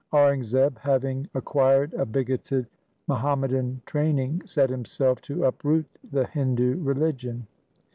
Aurangzeb having acquired a bigoted Muhammadan training set himself to uproot the Hindu religion.